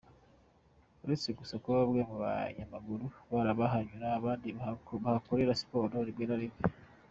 Uretse gusa kuba bamwe mu banyamaguru bahanyura abandi bakahakorera siporo rimwe na rimwe.